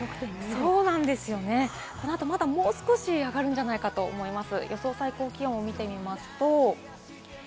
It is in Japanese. この後、まだもう少し上がるんじゃないかと思います。